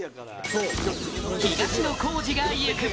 東野幸治が行く！